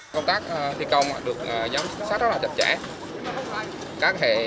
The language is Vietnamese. công tác thi công được giám sát rất là chặt chẽ